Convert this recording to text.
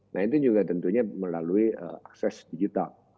nah itu juga tentunya melalui akses digital